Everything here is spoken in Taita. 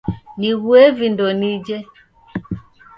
Nigue vindo nije.